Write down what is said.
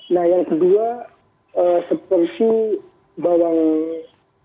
nah yang kedua seporsi bawang merah